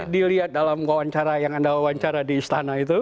dilihat dalam wawancara yang anda wawancara di istana itu